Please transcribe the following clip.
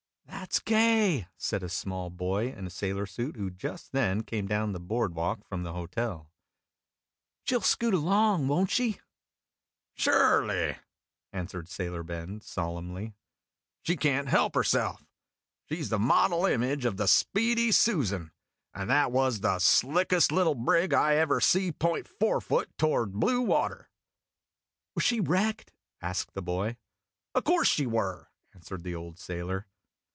"That 's gay!" said a small boy in a sailor suit, who just then came clown the board walk from the hotel. " She '11 scoot along, won't she ?"" Sure ly," answered Sailor Ben, solemnly; "she can't help her self. She 's the model image of the 'Speedy Susan,' and that was the slickest little brig I ever see point forefoot toward blue water." "Was she wrecked?" asked the boy. " O' course she were," answered the old sailor.